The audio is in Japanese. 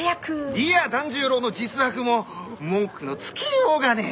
いや團十郎の実悪も文句のつけようがねえ。